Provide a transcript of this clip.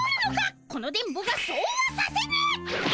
この電ボがそうはさせぬ！